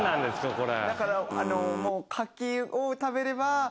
これ。